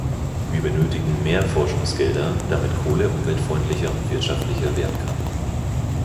Wir benötigen mehr Forschungsgelder, damit Kohle umweltfreundlicher und wirtschaftlicher werden kann.